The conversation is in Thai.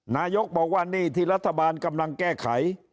นายกบอกว่านี่ที่รัฐบาลกำลังแก้ไข